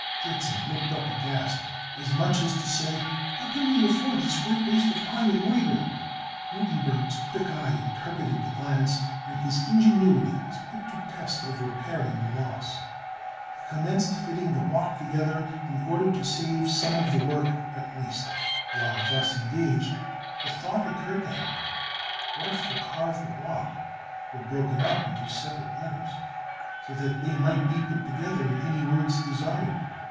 Dritzhn looked up aghast, as much as to say, "How can we afford this great waste of time and labor?" Gutenberg's quick eye interpreted the glance, and his ingenuity was put to the test of repairing the loss. He commenced fitting the block together in order to save some of the work at least. While thus engaged, the thought occurred to him, What if the carved block were broken up into separate letters, so that they might be put together in any words desired?